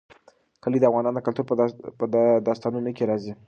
کلي د افغان کلتور په داستانونو کې راځي.